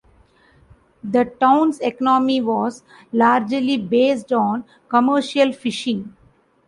The town's economy was largely based on commercial fishing.